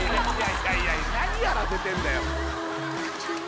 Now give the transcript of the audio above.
いやいや何やらせてんだよ